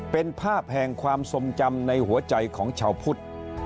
เป็นภาพแห่งความทรงจำในหัวใจของชาวพุทธ